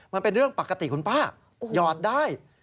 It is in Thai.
มันเป็นเรื่องปกติคุณป้าหยอดได้